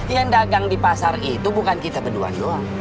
yang dagang di pasar itu bukan kita berdua doang